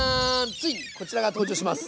ついにこちらが登場します。